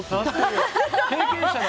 経験者だ！